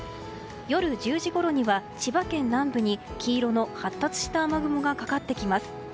夜１０時ごろには千葉県南部に黄色の発達した雨雲がかかってきます。